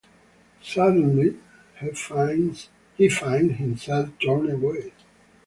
Suddenly, he finds himself torn away.